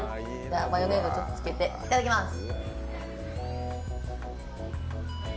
マヨネーズをちょっとつけていただきます。